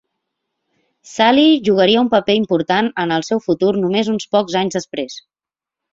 Saly jugaria un paper important en el seu futur només uns pocs anys després.